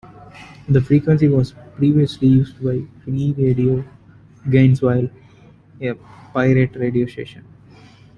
The frequency was previously used by "Free Radio Gainesville", a pirate radio station.